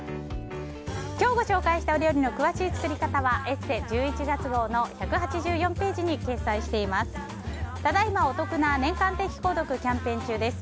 今日ご紹介したお料理の詳しい作り方は「ＥＳＳＥ」１１月号の１８４ページに掲載しています。